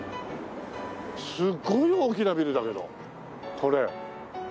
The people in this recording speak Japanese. すごい大きなビルだけどこれ。